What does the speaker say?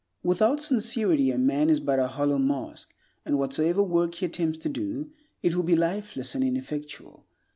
Without sincerity a man is but a hollow mask, and whatsoever work he attempts to do, it will be lifeless and ineffectual.